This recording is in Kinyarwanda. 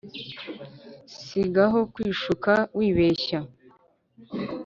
si gaho kwishuka wibeshya